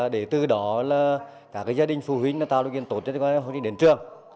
để từ đó là cả gia đình phụ huynh tạo được kiến tốt cho các em đến trường